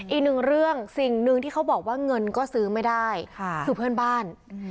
อีกหนึ่งเรื่องสิ่งหนึ่งที่เขาบอกว่าเงินก็ซื้อไม่ได้คือเพื่อนบ้าน